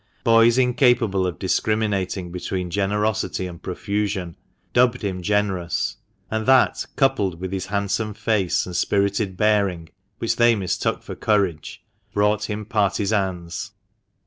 Boys incapable of discrimina ting between generosity and profusion dubbed him generous ; and that, coupled with his handsome face and spirited bearing, which they mistook for courage, brought him partizans.